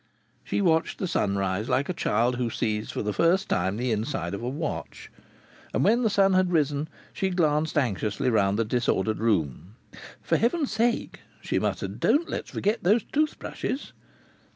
She watched the sunrise like a child who sees for the first time the inside of a watch. And when the sun had risen she glanced anxiously round the disordered room. "For heaven's sake," she muttered, "don't let's forget these tooth brushes!"